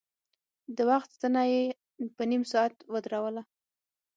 د وخت ستنه يې په نيم ساعت ودروله.